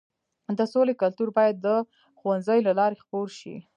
د سولې کلتور باید د ښوونځیو له لارې خپور شي.